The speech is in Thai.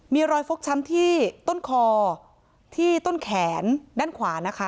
มีรอยฟกช้ำที่ต้นคอที่ต้นแขนด้านขวานะคะ